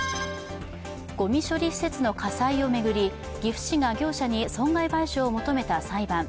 ごみ処理施設の火災を巡り、岐阜市が業者に損害賠償を求めた裁判。